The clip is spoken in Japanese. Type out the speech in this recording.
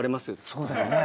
そうだよね。